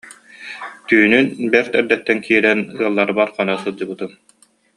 Түүнүн, бэрт эрдэттэн киирэн, ыалларбар хоно сылдьыбытым